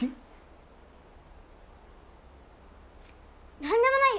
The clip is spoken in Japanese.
何でもないよ。